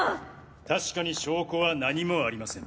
確かに証拠は何もありません。